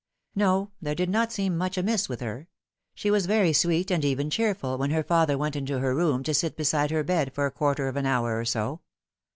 No, there did not seem much amiss with her. She was very sweet, and even cheerful, when her father went into her room to sit beside her bed for a quarter of an hour or so.